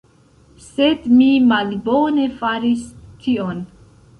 Sed mi malbone faris tion.